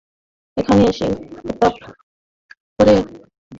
এখানে এসে উৎপাত করে কাস্টোমারদের বিরক্ত করছিস।